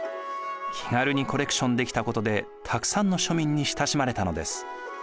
気軽にコレクションできたことでたくさんの庶民に親しまれたのです。